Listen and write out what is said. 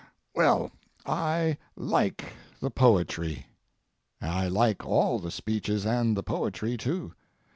Well, I like the poetry. I like all the speeches and the poetry, too.